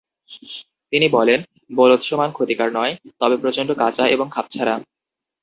তিনি বলেন, "বোলৎসমান ক্ষতিকর নয়, তবে প্রচণ্ড কাঁচা এবং খাপছাড়া।